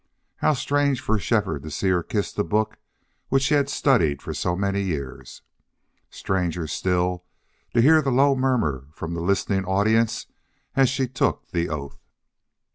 How strange for Shefford to see her kiss the book which he had studied for so many years! Stranger still to hear the low murmur from the listening audience as she took the oath!